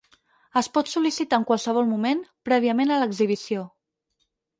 Es pot sol·licitar en qualsevol moment, prèviament a l'exhibició.